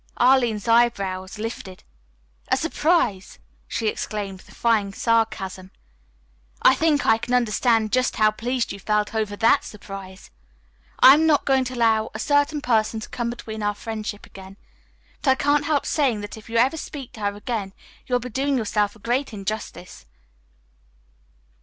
Arline's eyebrows lifted. "A surprise!" she exclaimed with fine sarcasm. "I think I can understand just how pleased you felt over that surprise. I am not going to allow a certain person to come between our friendship again, but I can't help saying that if ever you speak to her again, you will be doing yourself a great injustice."